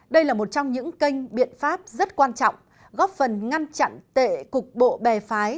đây là một trong những kênh biện pháp rất quan trọng góp phần ngăn chặn tệ cục bộ bè phái